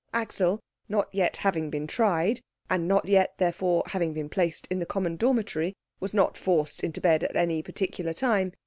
Axel, not yet having been tried, and not yet therefore having been placed in the common dormitory, was not forced into bed at any particular time.